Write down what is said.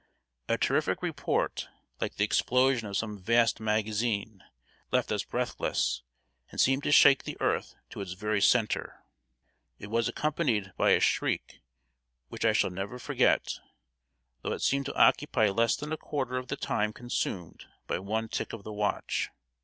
A terrific report, like the explosion of some vast magazine, left us breathless, and seemed to shake the earth to its very center. It was accompanied by a shriek which I shall never forget, though it seemed to occupy less than a quarter of the time consumed by one tick of the watch.